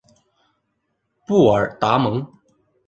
布尔达蒙。